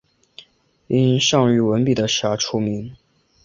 因善于文笔的事而出名。